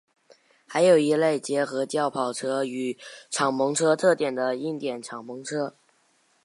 还有一类结合轿跑车与敞篷车特点的硬顶敞篷车。